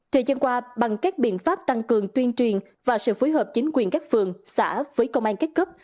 thời gian qua bằng các biện pháp tăng cường tuyên truyền và sự phối hợp chính quyền các phường xã với công an các cấp